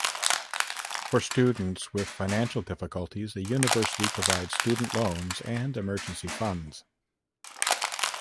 For students with financial difficulties, the university provides student loans and emergency funds.